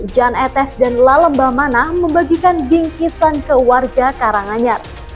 jan etes dan lalemba manah membagikan bingkisan ke warga karanganyar